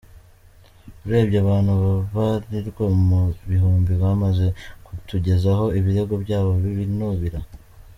urebye abantu babarirwa mu bihumbi bamaze kutugezaho ibirego byabo bibinubira.